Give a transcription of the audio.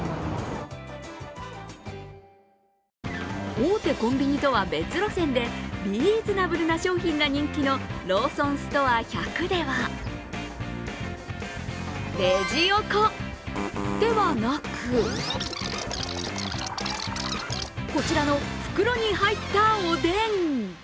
大手コンビニとは別路線でリーズナブルな商品が人気のローソンストア１００ではレジ横ではなく、こちらの袋に入ったおでん。